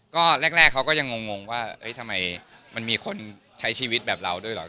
ก็แรกเขาก็ยังงงว่าทำไมมันมีคนใช้ชีวิตแบบเราด้วยเหรอ